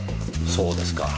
そうですか。